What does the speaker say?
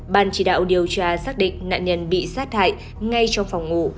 bàn chỉ đạo điều trà xác định nạn nhân bị sát hại ngay trong phòng ngủ